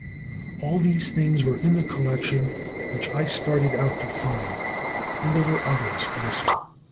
All these things were in the collection which I started out to find, and there were others, also.